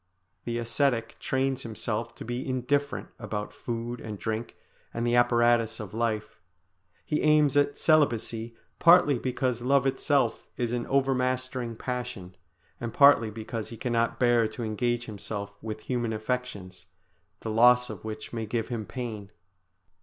The ascetic trains himself to be indifferent about food and drink and the apparatus of life; he aims at celibacy partly because love itself is an overmastering passion, and partly because he cannot bear to engage himself with human affections, the loss of which may give him pain.